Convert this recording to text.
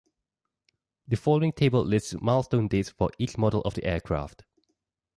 The following table lists milestone dates for each model of the aircraft.